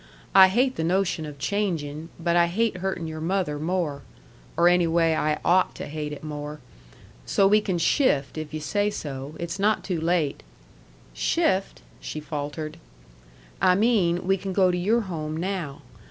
I hate the notion of changing, but I hate hurting your mother more. Or, anyway, I OUGHT to hate it more. So we can shift, if yu' say so. It's not too late." "Shift?" she faltered. "I mean, we can go to your home now.